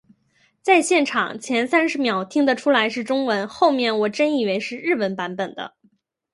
在现场，前三十秒听得出来是中文，后面我真以为是日文版本的